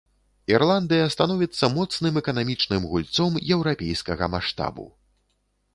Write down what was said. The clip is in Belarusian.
Ірландыя становіцца моцным эканамічным гульцом еўрапейскага маштабу.